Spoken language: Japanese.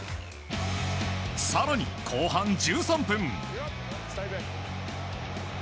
更に後半１３分。